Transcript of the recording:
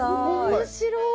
面白い。